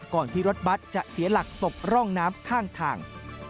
ก่อนที่รถบัตรจะเสียหลักตกร่องน้ำข้างทาง